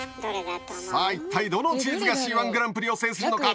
さあ一体どのチーズが「Ｃ−１グランプリ」を制するのか？